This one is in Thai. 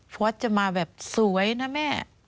พอสจะมาแบบสวยนะแม่